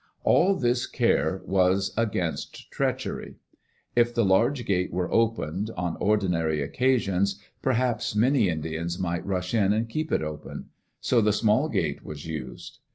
All this care was against treachery. If the large gate were opened, on ordinary occasions, perhaps many Indians might rush in and keep it open; so the small gate was used.